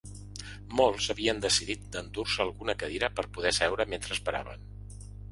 Molts havien decidit d’endur-se alguna cadira per poder seure mentre esperaven.